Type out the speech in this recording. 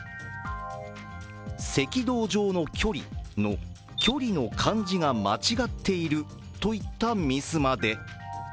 「赤道上の距理」の距離の漢字が間違っていると言ったミスまで。